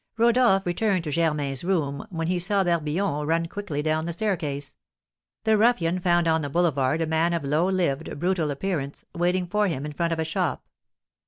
Rodolph returned to Germain's room, when he saw Barbillon run quickly down the staircase. The ruffian found on the boulevard a man of low lived, brutal appearance, waiting for him in front of a shop.